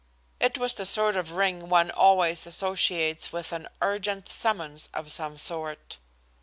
It was the sort of ring one always associates with an urgent summons of some sort.